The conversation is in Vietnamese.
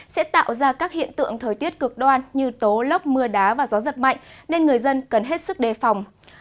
sẽ tạo ra các hiện tượng thời tiết cực đoan như tố lốc mưa đá và gió giật mạnh nên người dân cần hết sức đề phòng